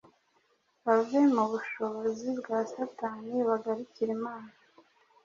bave mu bushobozi bwa Satani bagarukire Imana,